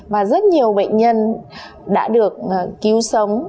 và rất nhiều bệnh nhân đã được cứu sở